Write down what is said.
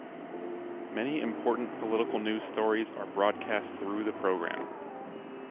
Many important political news stories are broadcast through the program.